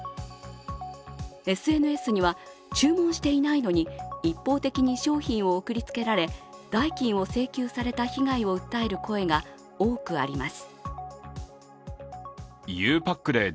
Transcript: ＳＮＳには注文していないのに一方的に商品を送りつけられ代金を請求されたとの被害を訴える声が多くあります。